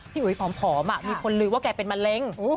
อุ๋ยผอมมีคนลือว่าแกเป็นมะเร็ง